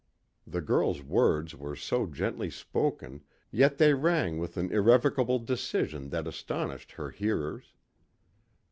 The girl's words were so gently spoken, yet they rang with an irrevocable decision that astonished her hearers.